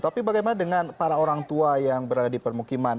tapi bagaimana dengan para orang tua yang berada di permukiman